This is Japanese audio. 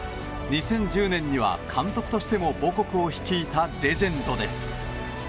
２０１０年には監督としても母国を率いたレジェンドです。